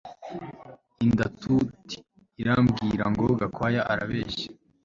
Inda tut irambwira ngo Gakwaya arabeshya